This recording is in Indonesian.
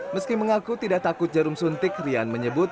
meski mengaku tidak takut jarum suntik rian menyebut